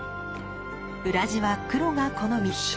裏地は黒が好み。